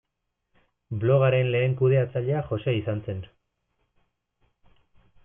Blogaren lehen kudeatzailea Jose izan zen.